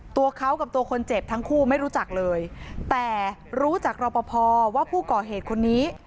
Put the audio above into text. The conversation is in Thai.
ตัวเขากับตัวคนเจ็บทั้งคู่ไม่รู้จักเลยแต่รู้จากรอปภว่าผู้ก่อเหตุคนนี้